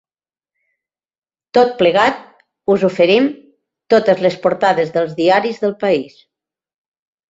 Tot plegat us oferim totes les portades dels diaris del país.